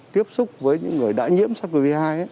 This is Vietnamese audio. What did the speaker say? tiếp xúc với những người đã nhiễm sars cov hai